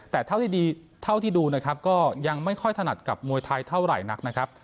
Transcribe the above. แต่เท่าที่ดูนะครับก็ยังไม่ค่อยถนัดกับมวยไทยเท่าไหร่นักนะครับ